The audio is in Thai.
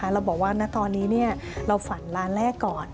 เราบอกว่าณตอนนี้เราฝันร้านแรกก่อน